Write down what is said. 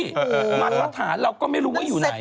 มันมาตรฐานเราก็ไม่รู้ว่าอยู่ไหน